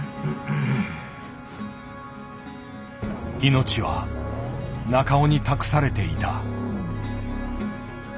命は中尾に託されていた。